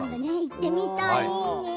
行ってみたらいいね。